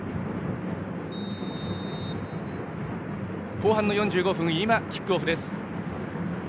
後半の４５分、キックオフです。